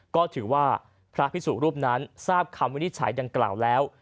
ก็ถือว่าพระพิสุรูปนั้นทราบคำวินิจฉัยดังกล่าวแล้ว